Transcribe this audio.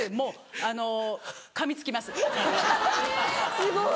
・すごい。